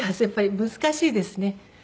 やっぱり難しいですね。